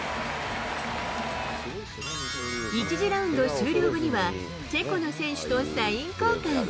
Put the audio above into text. １次ラウンド終了後には、チェコの選手とサイン交換。